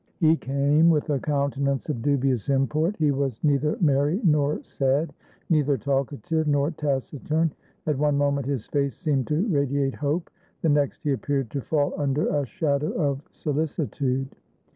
He came, with a countenance of dubious import. He was neither merry nor sad, neither talkative nor taciturn. At one moment his face seemed to radiate hope; the next, he appeared to fall under a shadow of solicitude.